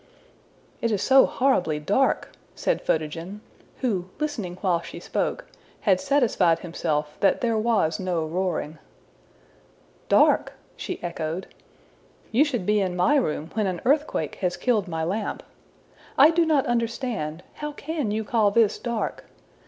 '' ``It is so horribly dark!'' said Photogen, who, listening while she spoke, had satisfied himself that there was no roaring. ``Dark!'' she echoed. ``You should be in my room when an earthquake has killed my lamp. I do not understand. How can you call this dark?